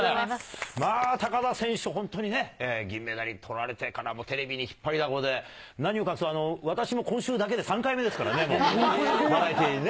まあ高田選手、本当にね、銀メダルとられてからもテレビに引っ張りだこで、何を隠そう、私も今週だけで３回目ですからね、もう、バラエティーでね。